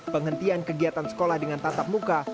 penghentian kegiatan sekolah dengan tatap muka